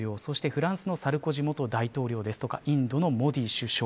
フランスのサルコジ元大統領やインドのモディ首相